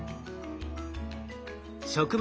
植物